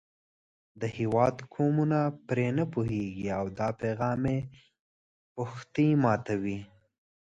د هېواد قومونه پرې نه پوهېږي او دا پیغام یې پښتۍ ماتوي.